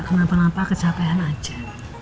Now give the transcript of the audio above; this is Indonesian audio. kenapa kenapa kecapean aja